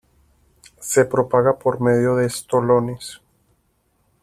Se propaga por medio de estolones.